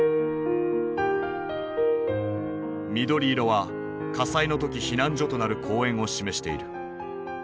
緑色は火災の時避難所となる公園を示している。